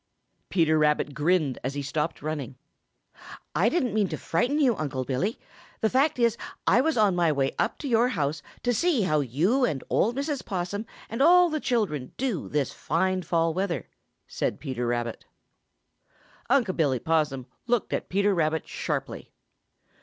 Peter Rabbit grinned as he stopped running. "I didn't mean to frighten you, Uncle Billy. The fact is, I was on my way up to your house to see how you and old Mrs. Possum and all the children do this fine fall weather," said Peter Rabbit. Unc' Billy Possum looked at Peter Rabbit sharply.